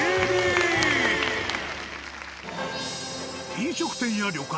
飲食店や旅館